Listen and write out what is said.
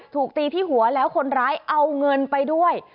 ถูกตีที่หัวแล้วคนร้ายเอาเงินไปด้วย